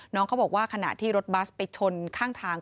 น้องเขาบอกว่าขณะที่รถบัสไปชนข้างทาง